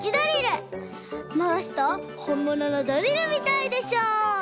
まわすとほんもののドリルみたいでしょう？